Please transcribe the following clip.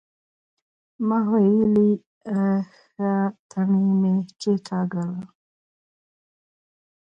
ما ويلې ښه تڼۍ مې کېکاږله.